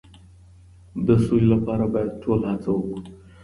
د سولې لپاره باید ټول هڅه وکړو.